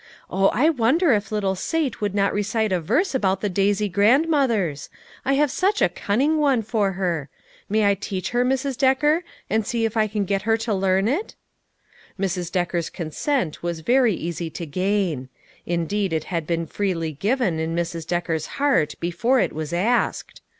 Oh, I wonder if little Sate would not recite a verse about the daisy grandmothers? I have such a cunning one for her. May I teach her, Mrs. Decker, and see if I can get her to learn it ?" Mrs. Decker's consent was very easy to gain ; 290 LITTLE FISHEES: AND THEIB NETS. indeed it had been freely given in Mrs. Decker's heart before it was asked